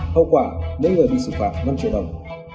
hậu quả mỗi người bị xử phạt năm triệu đồng